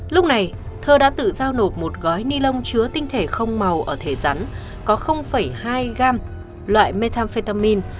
lúc này thơ đã tự giao nộp một gói ni lông chứa tinh thể không màu ở thể rắn có hai gam loại methamphetamin